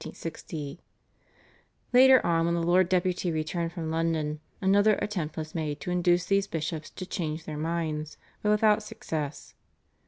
Later on, when the Lord Deputy returned from London, another attempt was made to induce these bishops to change their minds, but without success.